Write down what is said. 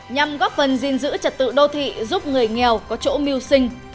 nhằm góp phần gìn giữ trật tự đô thị giúp người nghèo có chỗ mưu sinh